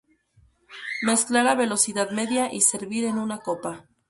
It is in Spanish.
Mezclar a velocidad media y servir en una copa.